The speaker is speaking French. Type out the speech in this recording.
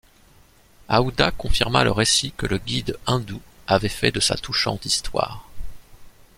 Aouda confirma le récit que le guide indou avait fait de sa touchante histoire.